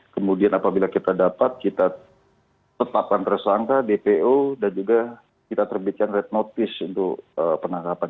kemudian apabila kita dapat kita tetapkan tersangka dpo dan juga kita terbitkan red notice untuk penangkapan